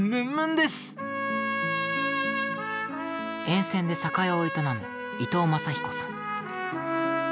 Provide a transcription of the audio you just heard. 沿線で酒屋を営む伊藤政彦さん。